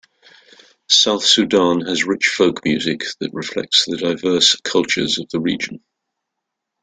South Sudan has rich folk music that reflect the diverse cultures of the region.